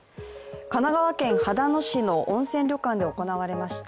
神奈川県秦野市の温泉旅館で行われました